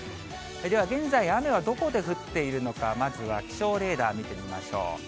では、現在、雨はどこで降っているのか、まずは気象レーダー見てみましょう。